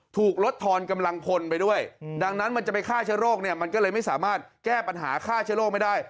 ถูกลดทอนกำลังพลไปด้วยดังนั้นมันจะไปฆ่าเชื้อโรคเนี่ยมันก็เลยไม่สามารถแก้ปัญหาฆ่าเชื้อโรคไม่ได้